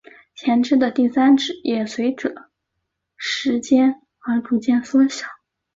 前肢的第三指也随者时间而逐渐缩小。